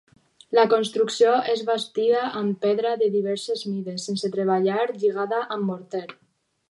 La construcció és bastida amb pedra de diverses mides, sense treballar, lligada amb morter.